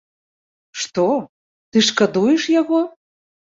Што, ты шкадуеш яго?